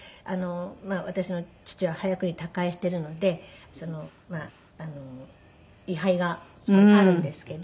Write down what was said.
まあ私の父は早くに他界しているので位牌がそこにあるんですけど。